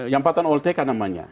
jampatan olteka namanya